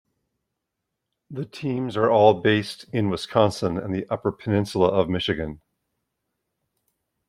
The teams are all based in Wisconsin and the upper peninsula of Michigan.